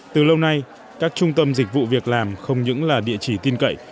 từ lâu nay các trung tâm dịch vụ việc làm không những là địa chỉ tin cậy